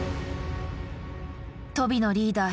とびのリーダー